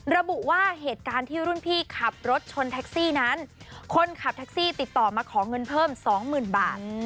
ระบุว่าเหตุการณ์ที่รุ่นพี่ขับรถชนแท็กซี่นั้นคนขับแท็กซี่ติดต่อมาขอเงินเพิ่มสองหมื่นบาท